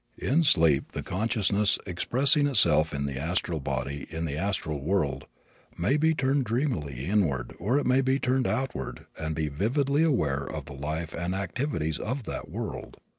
In sleep the consciousness, expressing itself in the astral body in the astral world, may be turned dreamily inward or it may be turned outward and be vividly aware of the life and activities of that world.